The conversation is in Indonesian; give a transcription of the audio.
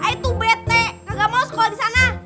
ae itu bete kagak mau sekolah di sana